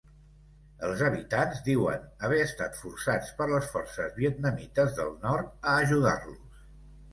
Els habitants diuen haver estat forçats per les forces vietnamites del nord a ajudar-los.